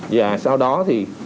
và sau đó thì